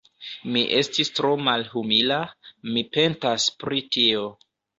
Mi estis tro malhumila: mi pentas pri tio.